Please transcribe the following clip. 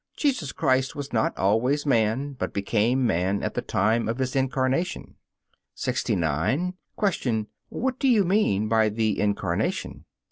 Jesus Christ was not always man, but became man at the time of His Incarnation. 69. Q. What do you mean by the Incarnation?